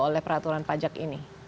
oleh peraturan pajak ini